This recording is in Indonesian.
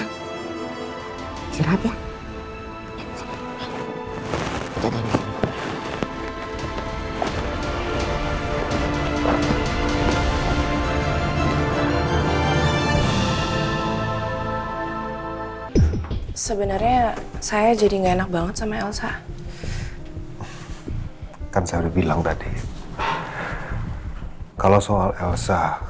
hai siapa ya sebenarnya saya jadi enak banget sama elsa kan saya bilang tadi kalau soal elsa